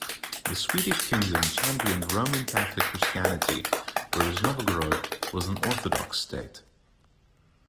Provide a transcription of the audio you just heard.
The Swedish kingdom championed Roman Catholic Christianity, whereas Novgorod was an Orthodox state.